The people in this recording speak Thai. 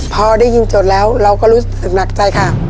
พอได้ยินจดแล้วเราก็รู้สึกหนักใจค่ะ